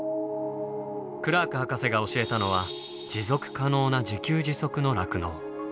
クラーク博士が教えたのは持続可能な自給自足の酪農。